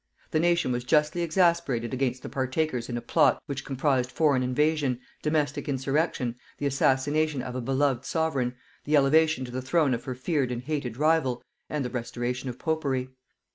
The nation was justly exasperated against the partakers in a plot which comprised foreign invasion, domestic insurrection, the assassination of a beloved sovereign, the elevation to the throne of her feared and hated rival, and the restoration of popery.